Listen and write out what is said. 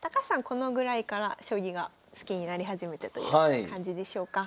このぐらいから将棋が好きになり始めたという感じでしょうか。